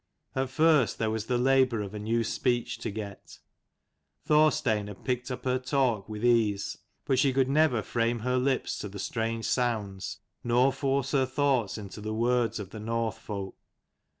At first there was the labour of a new speech to get. Thorstein had picked up her talk with ease: but she could never frame her lips to the strange sounds, nor force her thoughts into the words of the Northfolk.